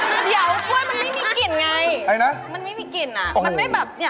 เดี๋ยวกล้วยมันไม่มีกลิ่นไงใครนะมันไม่มีกลิ่นอ่ะมันไม่แบบเนี้ย